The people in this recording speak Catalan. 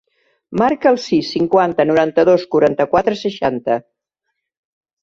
Marca el sis, cinquanta, noranta-dos, quaranta-quatre, seixanta.